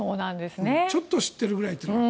ちょっと知ってるぐらいというのが。